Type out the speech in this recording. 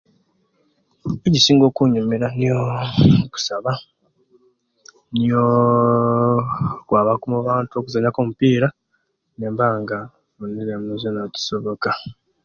Ekisinga okunyumira niyo kusaba niyoo okwabaku mubantu okuzanyaku omupira nembanga infuniremu ekisoboka